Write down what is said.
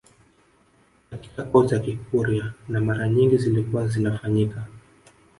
Katika koo za kikurya na mara nyingi zilikuwa zinafanyika